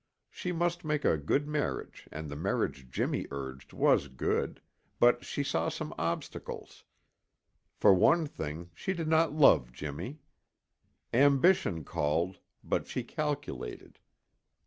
She must make a good marriage and the marriage Jimmy urged was good, but she saw some obstacles. For one thing, she did not love Jimmy. Ambition called, but she calculated.